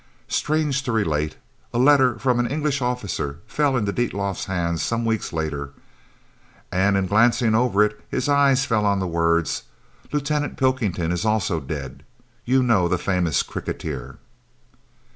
Strange to relate, a letter from an English officer fell into Dietlof's hands some weeks later, and in glancing over it his eye fell on the words, "Lieutenant Pilkington is also dead you know that famous cricketer."